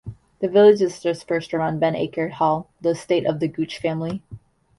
The village is dispersed around Benacre Hall, the estate of the Gooch family.